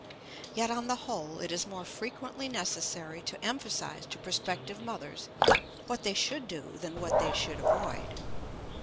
Yet, on the whole, it is more frequently necessary to emphasize to prospective mothers what they should do than what they should avoid.